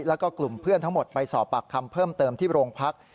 แล้วก็กลุ่มเพื่อนทั้งหมดไปสอบปากคำเพิ่มเติมที่โรงพัก